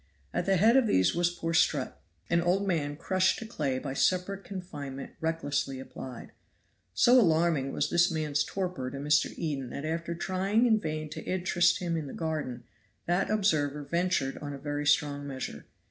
At the head of these was poor Strutt, an old man crushed to clay by separate confinement recklessly applied. So alarming was this man's torpor to Mr. Eden that after trying in vain to interest him in the garden, that observer ventured on a very strong measure.